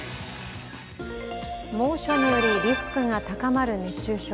猛暑によりリスクが高まる熱中症。